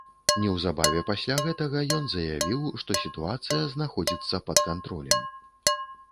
Неўзабаве пасля гэтага ён заявіў, што сітуацыя знаходзіцца пад кантролем.